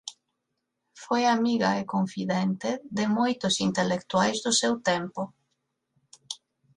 Foi amiga e confidente de moitos intelectuais do seu tempo.